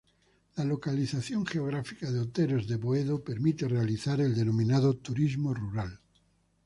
La localización geográfica de Oteros de Boedo permite realizar el denominado turismo rural.